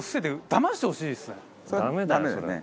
ダメだよそれは。